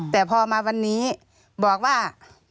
แต่พอมาวันนี้บอกว่า